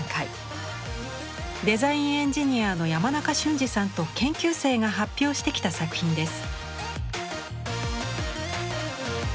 デザインエンジニアの山中俊治さんと研究生が発表してきた作品です。